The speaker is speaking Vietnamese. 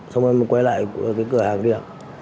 xong rồi em quay lại cửa hàng kia